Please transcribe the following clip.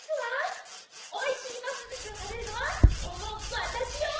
おいしいますずしをたべるのはこのわたしよ！